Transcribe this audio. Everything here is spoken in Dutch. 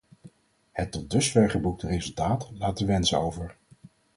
Het tot dusver geboekte resultaat laat te wensen over.